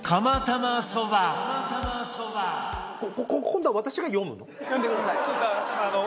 今度は私が読むの？